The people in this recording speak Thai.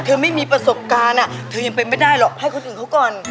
ไม่มีประสบการณ์เธอยังเป็นไม่ได้หรอกให้คนอื่นเขาก่อน